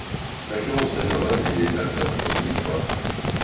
L’influence d’Hefferman est palpable dans cette victoire.